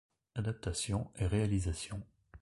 Adaptation et réalisation.